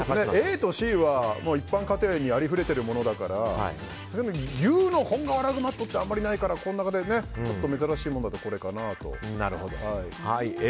ＡとＣは一般家庭にありふれているものだから牛の本革ラグマットってあんまりないから、この中で珍しいものでこれかなと。